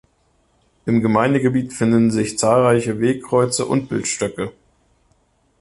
Im Gemeindegebiet finden sich zahlreiche Wegkreuze und Bildstöcke.